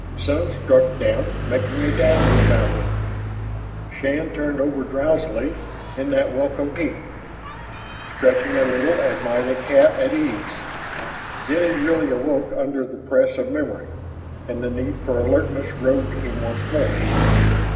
Sun struck down, making a dazzle about him. Shann turned over drowsily in that welcome heat, stretching a little as might a cat at ease. Then he really awoke under the press of memory, and the need for alertness rode him once more.